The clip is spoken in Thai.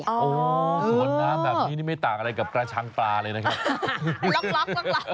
โอ้โหสวนน้ำแบบนี้นี่ไม่ต่างอะไรกับกระชังปลาเลยนะครับ